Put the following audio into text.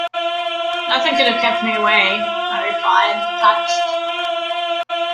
"Nothing could have kept me away," I replied, touched.